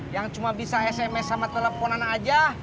yang cuma bisa sms sama teleponan aja